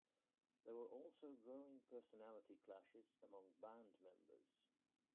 There were also growing personality clashes among band members.